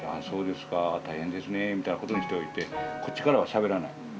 そうですか大変ですねみたいなことにしておいてこっちからはしゃべらない。